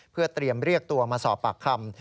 เพื่อเตรียมเรียกตัวมาสอบปากคำ